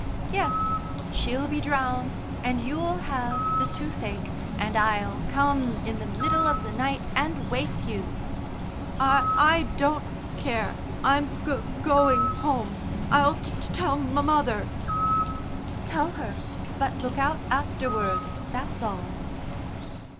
"Yes, she'll be drowned, and you'll have the toothache, and I'll come in the middle of the night and wake you." "I I don't care. I'm go going home. I'll t t ell m other." "Tell her. But look out afterwards, that's all."